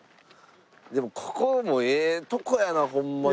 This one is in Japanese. でもここもええとこやなホンマに。